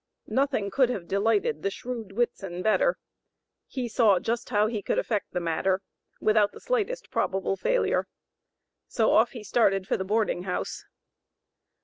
Nothing could have delighted the shrewd Whitson better; he saw just how he could effect the matter, without the slightest probable failure. So off he started for the boarding house.